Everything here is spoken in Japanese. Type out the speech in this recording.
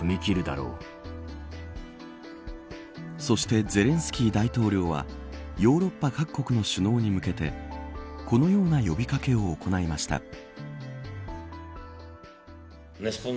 そして、ゼレンスキー大統領はヨーロッパ各国の首脳に向けてこのような呼び掛けを行いました。